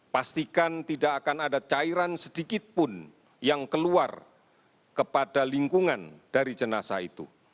pastikan tidak akan ada cairan sedikitpun yang keluar kepada lingkungan dari jenazah itu